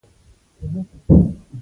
لوی اختر مو مبارک شه